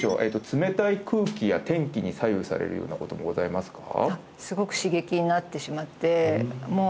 冷たい空気や天気に左右されるようなこともございますか？